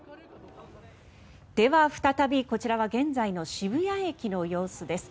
では、再びこちらは現在の渋谷駅の様子です。